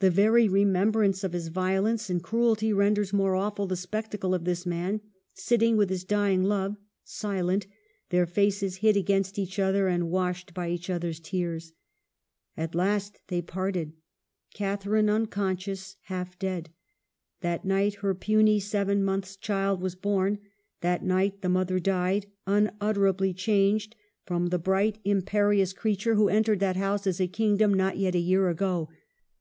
The very remembrance of his violence and cruelty ren ders more awful the spectacle of this man, sit ting with his dying love, silent ; their faces hid against each other, and washed by each other's tears. At last they parted : Catharine unconscious, half dead. That night her puny, seven months' child was born ; that night the mother died, un utterably changed from the bright, imperious l WUTHERING HEIGHTS? 2 6l creature who entered that house as a kingdom, not yet a year ago.